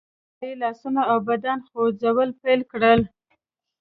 نجلۍ لاسونه او بدن خوځول پيل کړل.